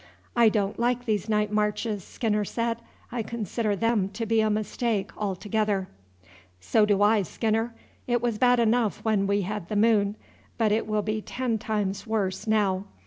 "I don't like these night marches," Skinner said. "I consider them to be a mistake altogether." "So do I, Skinner. It was bad enough when we had the moon, but it will be ten times worse now.